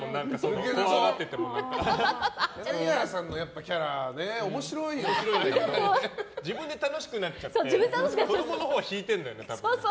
柳原さんのキャラ自分で楽しくなっちゃって子供のほうは引いてるんだよ。